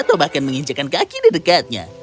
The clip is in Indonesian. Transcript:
atau bahkan menginjakan kaki di dekatnya